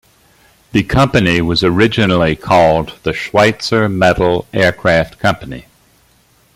The company was originally called the Schweizer Metal Aircraft Company.